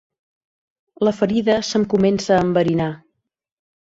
La ferida se'm comença a enverinar.